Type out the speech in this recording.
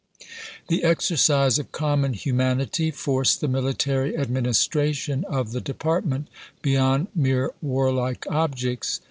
The exercise of common humanity forced the military administration of the department beyond mere warlike objects.